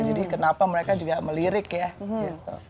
jadi kenapa mereka juga melirik ya gitu